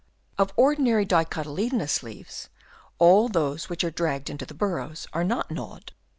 Of ordinary dicotyle donous leaves, all those which are dragged into burrows are not gnawed.